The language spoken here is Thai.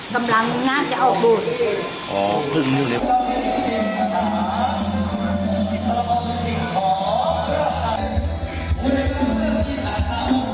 กำลังงานจะออกโบสถ์